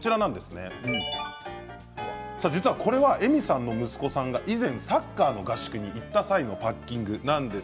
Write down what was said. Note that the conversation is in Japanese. Ｅｍｉさんの息子さんが以前サッカーの合宿に行った際のパッキングなんです。